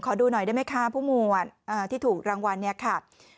ดูหน่อยได้ไหมคะผู้หมวดที่ถูกรางวัลเนี่ยค่ะ